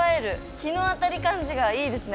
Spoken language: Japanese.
日の当たる感じがいいですね。